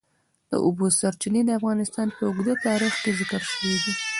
د اوبو سرچینې د افغانستان په اوږده تاریخ کې ذکر شوی دی.